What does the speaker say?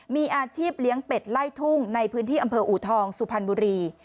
มีอาชีพเลี้ยงเป็ดไล่ทุ่งในพื้นที่อำเภออูทองสุพรรณบุรี